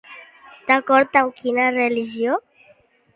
D'acord amb quina religió?